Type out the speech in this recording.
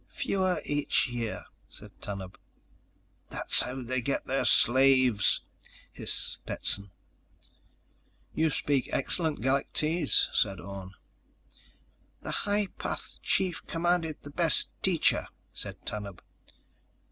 "Fewer each year," said Tanub. "There's how they get their slaves," hissed Stetson. "You speak excellent Galactese," said Orne. "The High Path Chief commanded the best teacher," said Tanub.